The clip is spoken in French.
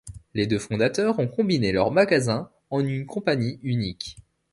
Les deux fondateurs ont combiné leurs magasins en une compagnie unique.